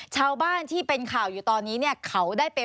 ชาวบ้านที่เป็นข่าวอยู่ตอนนี้เนี่ย